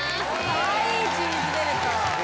かわいいチーズベルト。